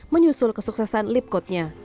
menyusul kesuksesan lip coat nya